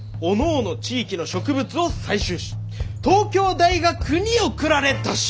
地域の植物を採集し東京大学に送られたし！」。